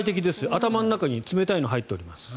頭の中に冷たいのが入っております。